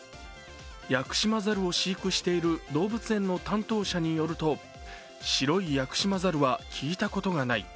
ヤクシマザルを飼育している動物園の担当者によると白いヤクシマザルは聞いたことがない。